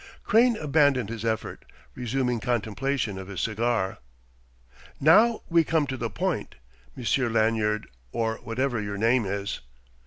Crane abandoned his effort, resuming contemplation of his cigar. "Now we come to the point. Monsieur Lanyard, or whatever your name is."